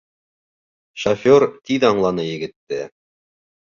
Шофер тиҙ аңланы егетте.